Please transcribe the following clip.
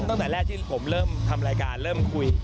ตั้งแต่แรกที่ผมเริ่มทำรายการเริ่มคุย